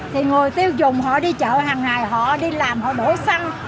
thì người tiêu dùng họ đi chợ hàng ngày họ đi làm họ đổ xăng